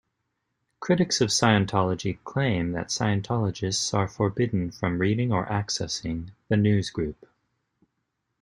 Critics of Scientology claim that Scientologists are forbidden from reading or accessing the newsgroup.